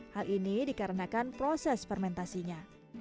hal ini dikarenakan proses fermentasinya